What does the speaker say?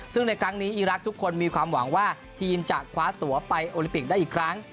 ซึ่งในครั้งนี้อีรักษ์ทุกคนมีความหวังว่าทีมจะคว้าตัวไปโอลิมปิกได้อีกครั้ง